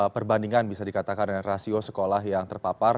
perbandingan bisa dikatakan dengan rasio sekolah yang terpapar